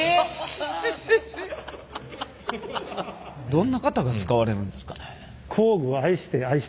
どんな方が使われるんですかね？